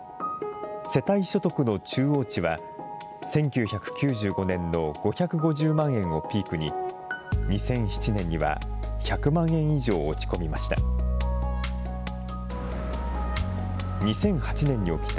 世帯所得の中央値は、１９９５年の５５０万円をピークに、２００７年には１００万円以上落ち込みました。